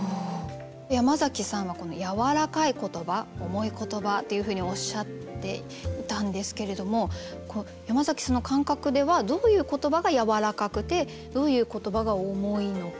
山崎さんは「やわらかい言葉」「重い言葉」っていうふうにおっしゃっていたんですけれども山崎さんの感覚ではどういう言葉がやわらかくてどういう言葉が重いのか。